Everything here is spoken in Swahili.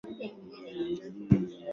Video za watu wengi.